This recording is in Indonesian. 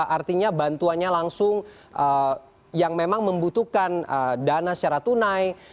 artinya bantuannya langsung yang memang membutuhkan dana secara tunai